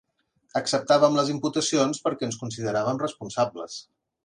Acceptàvem les imputacions perquè ens en consideràvem responsables.